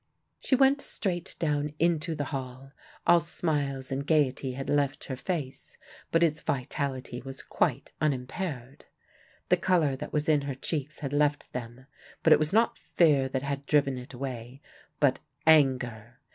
She went straight down into the hall: all smiles and gaiety had left her face, but its vitality was quite unimpaired. The color that was in her cheeks had left them, but it was not fear that had driven it away, but anger.